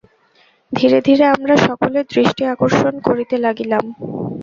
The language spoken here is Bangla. ধীরে ধীরে আমরা সকলের দৃষ্টি আকর্ষণ করিতে লাগিলাম।